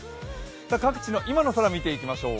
各地の今の空、見ていきましょう。